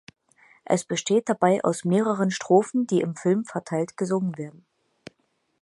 Es besteht dabei aus mehreren Strophen, die im Film verteilt gesungen werden.